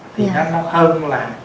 thì nó hơn là